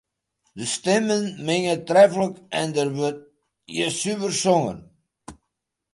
De stimmen minge treflik en der wurdt hiersuver songen.